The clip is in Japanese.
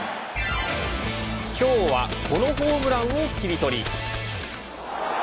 今日はこのホームランをキリトリ。